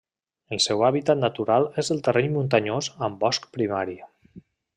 El seu hàbitat natural és el terreny muntanyós amb bosc primari.